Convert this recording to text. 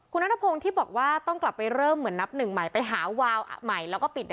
คุณนัทพงศ์ที่บอกว่าต้องกลับไปเริ่มเหมือนนับหนึ่งใหม่ไปหาวาวใหม่แล้วก็ปิด